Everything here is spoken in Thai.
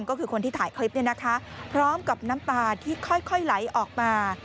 ก็คือคนที่ถ่ายคลิปเนี่ยนะคะพร้อมกับน้ำตาที่ค่อยไหลออกมา